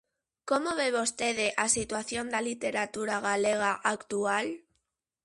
Como ve vostede a situación da literatura galega actual?